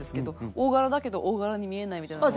大柄だけど大柄にみえないみたいなのは。